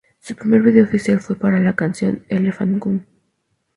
Su primer vídeo oficial fue para la canción "Elephant Gun".